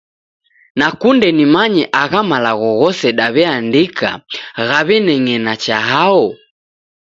Nakunde nimanye agha malagho ghose daw'iaandika ghaw'ineng'ena cha hao?